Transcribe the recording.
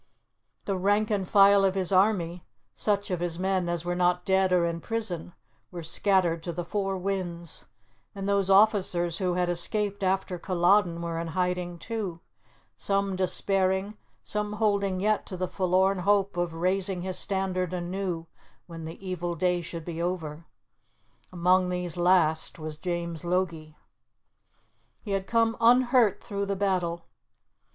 The rank and file of his army such of his men as were not dead or in prison were scattered to the four winds; and those officers who had escaped after Culloden were in hiding, too, some despairing, some holding yet to the forlorn hope of raising his standard anew when the evil day should be over. Among these last was James Logie. He had come unhurt through the battle.